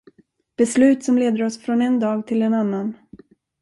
Beslut som leder oss från en dag till en annan.